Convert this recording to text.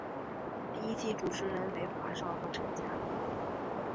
第一季节目主持人为华少和陈嘉桦。